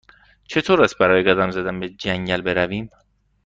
چطور است برای قدم زدن به جنگل برویم؟